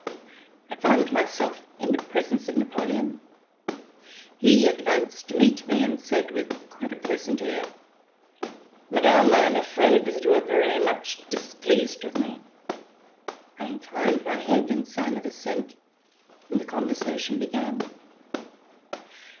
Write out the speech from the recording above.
I found myself in the presence of Napoleon. He advanced to meet me and said with quite a pleasant air: "Madame, I am afraid that you are very much displeased with me." I inclined my head in sign of assent and the con versation began.